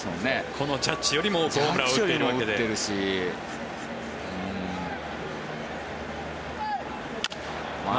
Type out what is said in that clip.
このジャッジよりもホームランを打っているわけで。